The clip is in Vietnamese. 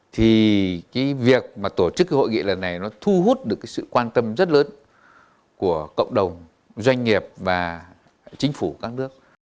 thì việc tổ chức hội nghị lần này thu hút được sự quan tâm rất lớn của cộng đồng doanh nghiệp và chính phủ các nước